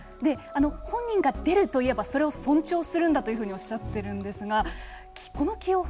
本人が出るといえばそれを尊重するんだというふうにおっしゃるんですがこの起用法